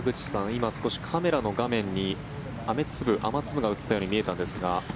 今、カメラの画面に雨粒が映ったように見えたんですが。